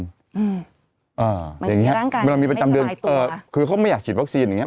อย่างเงี้ยเมื่อมีประจำเดือนคือเขาไม่อยากฉีดวัคซีนอย่างเงี้ย